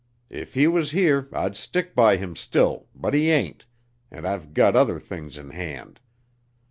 If he was here, I'd stick by him still, but he ain't, an' I've gut other things in hand.